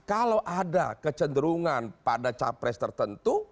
kalau ada kecenderungan pada capres tertentu